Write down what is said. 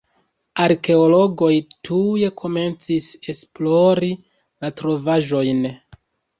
Arkeologoj tuj komencis esplori la trovaĵojn.